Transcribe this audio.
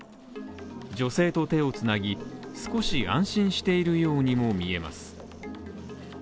女性と手をつなぎ少し安心しているようにも見えます。